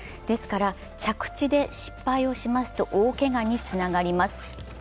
ですから、着地で失敗をしますと大けがにつながります。